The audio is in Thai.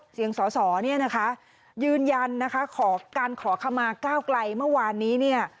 เสียงสอสอเนี่ยนะคะยืนยันนะคะขอการขอขมาก้าวไกลเมื่อวานนี้เนี่ย